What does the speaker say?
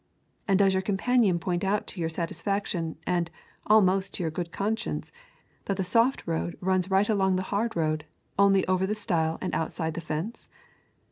And does your companion point out to your satisfaction, and, almost to your good conscience, that the soft road runs right along the hard road, only over the stile and outside the fence?